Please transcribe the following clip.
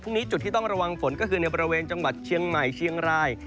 จุดที่ต้องระวังฝนก็คือในบริเวณจังหวัดเชียงใหม่เชียงราย